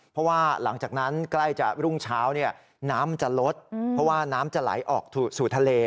เพราะว่าหลังจากนั้นใกล้จะรุ่งเช้าน้ำจะลดเพราะว่าน้ำจะไหลออกสู่ทะเล